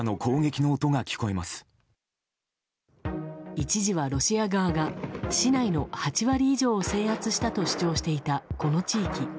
一時は、ロシア側が市内の８割以上を制圧したと主張していた、この地域。